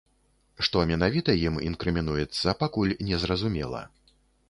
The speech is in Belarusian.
Што менавіта ім інкрымінуецца, пакуль незразумела.